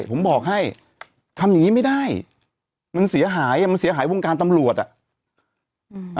ผมบอกให้ทำนี้ไม่ได้มันเสียหายมันเสียหายวงการตำลวจอ่ะ